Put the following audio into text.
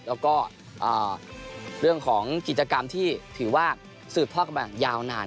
แล้วก็เรื่องของกิจกรรมที่ถือว่าสืบทอดกันมายาวนาน